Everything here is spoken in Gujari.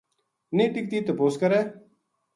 نیہہ ٹِکتی تپوس کرے